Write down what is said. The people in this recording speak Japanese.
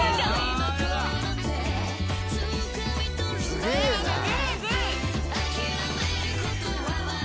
「すげえな」